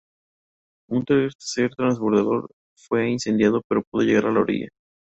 Un tercer transporte fue incendiado pero pudo llegar a la orilla.